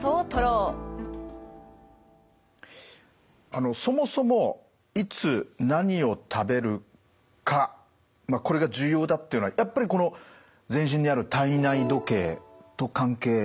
あのそもそもいつ何を食べるかこれが重要だっていうのはやっぱりこの全身にある体内時計と関係してますか？